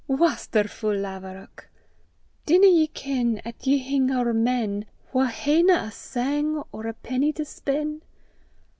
Wasterfu' laverock! Dinna ye ken 'At ye hing ower men Wha haena a sang or a penny to spen'?